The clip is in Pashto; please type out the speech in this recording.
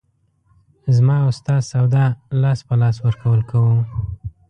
زما او ستا سودا لاس په لاس ورکول وو.